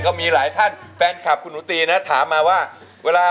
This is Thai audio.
ก็มีหลายท่านแฟนคลับคุณหนูตีนะถามมาว่าเวลา